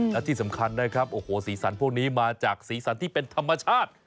และที่สำคัญนะครับโอ้โหสีสันพวกนี้มาจากสีสันที่เป็นธรรมชาติ